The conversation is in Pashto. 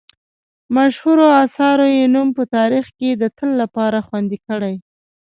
مشهورو اثارو یې نوم په تاریخ کې د تل لپاره خوندي کړی.